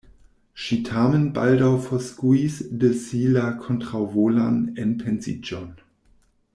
Ŝi tamen baldaŭ forskuis de si la kontraŭvolan enpensiĝon.